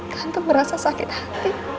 tante merasa sakit hati